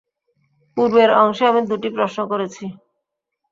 পূর্বের অংশে আমি দুটি প্রশ্ন করেছি।